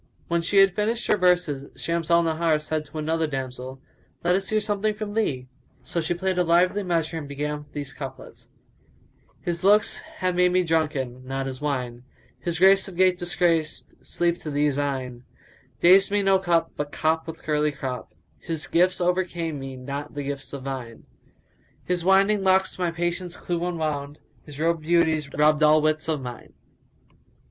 When she had finished her verses, Shams al Nahar said to another damsel, "Let us hear something from thee!" So she played a lively measure and began these couplets, "His[FN#180] looks have made me drunken, not his wine; * His grace of gait disgraced sleep to these eyne: Dazed me no cup, but cop with curly crop; * His gifts overcame me not the gifts of vine: His winding locks my patience clue unwound: * His robed beauties robbed all wits of mine."